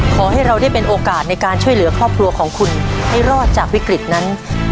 ขอให้เราได้เป็นโอกาสในการช่วยเหลือครอบครัวของคุณให้รอดจากวิกฤตนั้น